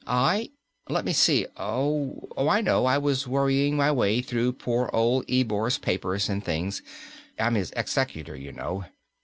"I? Let me see. Oh, I know; I was worrying my way through poor old Ebor's papers and things. I'm his executor, you know.